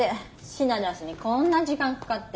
品出しにこんな時間かかって。